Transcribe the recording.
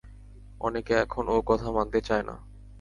অনেকে এখন ও-কথা মানতে চায় না।